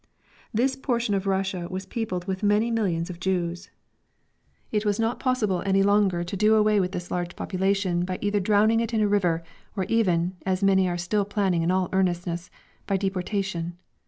This portion of Russia was peopled with many millions of Jews. It was not possible any longer to do away with this large population by either drowning it in a river, or even as many are still planning in all earnestness by deportation.